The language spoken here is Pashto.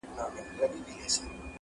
حقيقت کمزوری ښکاري تل